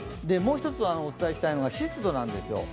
もう一つ、お伝えしたいのが湿度なんですよ